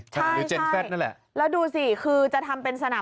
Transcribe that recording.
ใช่หรือเจนแฟดนั่นแหละแล้วดูสิคือจะทำเป็นสนาม